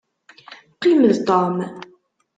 Qqim d Tom.